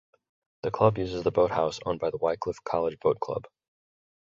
The club uses the boathouse owned by the Wycliffe College Boat Club.